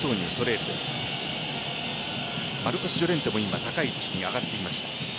マルコスジョレンテも高い位置に上がっていました。